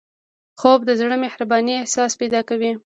خوب د زړه د مهربانۍ احساس پیدا کوي